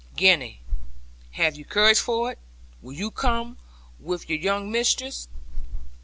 'Gwenny, have you courage for it? Will you come with your young mistress?'